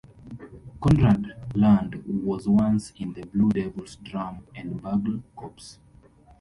Conrad Lund was once in the "Blue Devils Drum and Bugle Corps".